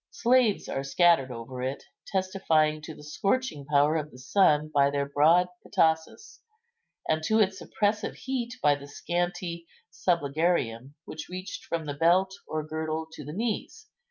Slaves are scattered over it, testifying to the scorching power of the sun by their broad petasus, and to its oppressive heat by the scanty subligarium, which reached from the belt or girdle to the knees.